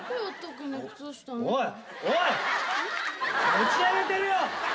持ち上げてるよ。